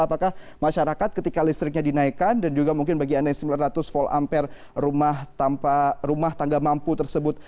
apakah masyarakat ketika listriknya dinaikkan dan juga mungkin bagi anda yang sembilan ratus volt ampere tanpa rumah tangga mampu tersebut